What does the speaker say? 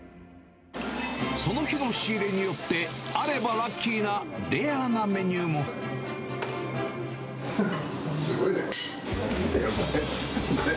その日の仕入れによって、あればラッキーなレアなメニューも。へへっ、すごいね、これ。